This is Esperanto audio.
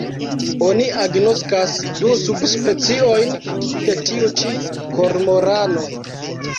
Oni agnoskas du subspeciojn de tiu ĉi kormorano.